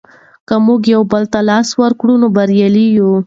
که موږ یو بل ته لاس ورکړو نو بریالي یو.